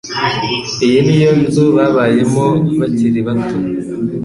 Iyi ni yo nzu babayemo bakiri bato.